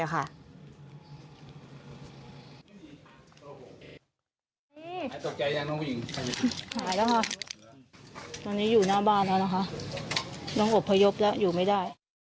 หน้าหายแล้วค่ะตอนนี้อยู่หน้าบ้านแล้วนะคะน้องอบพยพแล้วอยู่ไม่ได้